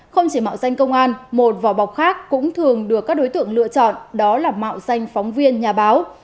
không chỉ mạo danh công an một vỏ bọc khác cũng thường được các đối tượng lựa chọn đó là mạo danh phóng viên nhà báo